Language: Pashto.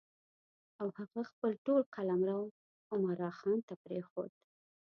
او هغه خپل ټول قلمرو عمرا خان ته پرېښود.